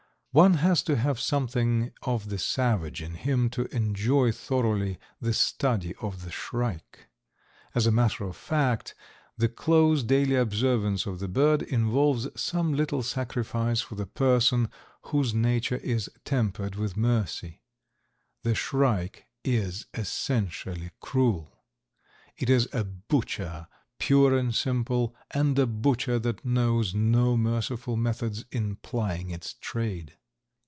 One has to have something of the savage in him to enjoy thoroughly the study of the shrike. As a matter of fact, the close daily observance of the bird involves some little sacrifice for the person whose nature is tempered with mercy. The shrike is essentially cruel. It is a butcher pure and simple and a butcher that knows no merciful methods in plying its trade.